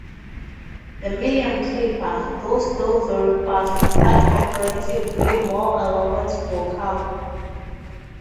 The medium clipper, though still very fast, had comparatively more allowance for cargo.